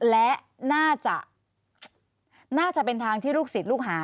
และน่าจะน่าจะเป็นทางที่ลูกศิษย์ลูกหา